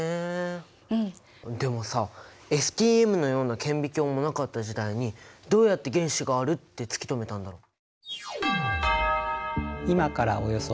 でもさＳＴＭのような顕微鏡もなかった時代にどうやって原子があるって突き止めたんだろう？